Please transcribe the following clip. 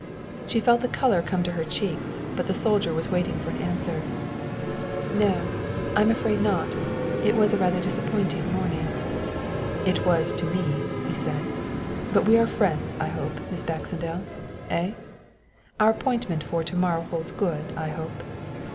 She felt the colour come to her cheeks, but the soldier was waiting for an answer. "No, I'm afraid not it was rather a disappointing morning." "It was to me," he said; "but we are friends, I hope, Miss Baxendale, eh? Our appointment for to morrow holds good, I hope?"